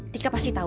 tiga pasti tau